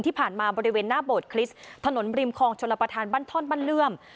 ที่ผ่านมาบริเวณหน้าโบสถคริสต์ถนนริมคลองชลประธานบ้านท่อนบ้านเลื่อม